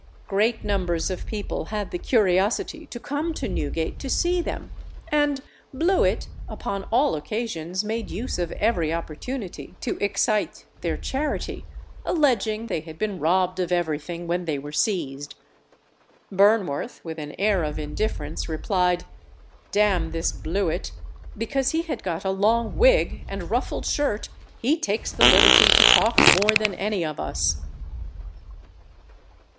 Great numbers of people had the curiosity to come to Newgate to see them, and Blewit upon all occasions made use of every opportunity to excite their charity, alleging they had been robbed of everything when they were seized. Burnworth, with an air of indifference replied, _D n this Blewit, because he had got a long wig and ruffled shirt he takes the liberty to talk more than any of us.